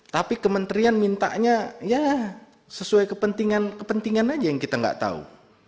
tapi kementerian mintanya ya sesuai kepentingan kepentingan aja yang kita nggak tahu